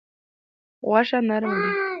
غوښه نرمه ده.